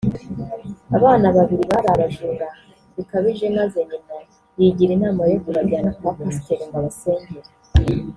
Abana babiri bari abajura bikabije maze nyina yigira inama yo kubajyana kwa pasteri ngo abasengere